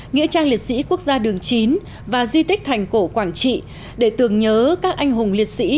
nghĩa trang liệt sĩ quốc gia đường chín và di tích thành cổ quảng trị để tưởng nhớ các anh hùng liệt sĩ